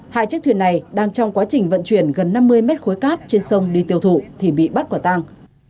hai chiếc thuyền này đang trong quá trình vận chuyển gần năm mươi mét khối cát trên sông đi tiêu thụ thì bị bắt quả tăng